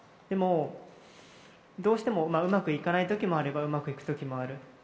でも、どうしてもうまくいかないときもあれば、うまくいくときもある。